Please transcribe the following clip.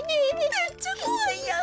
めっちゃこわいやん。